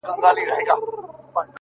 • زما گلاب ؛گلاب دلبره نور به نه درځمه؛